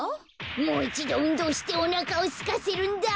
もういちどうんどうしておなかをすかせるんだ。